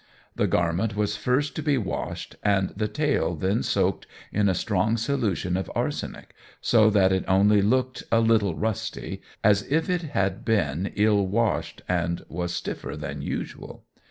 The garment was first to be washed, and the tail then soaked in a strong solution of arsenic, so that it only looked "a little rusty," as if it had been ill washed and was stiffer than usual.